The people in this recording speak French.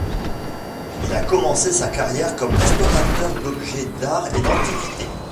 Il a commencé sa carrière comme restaurateur d'objets d'art et d'antiquités.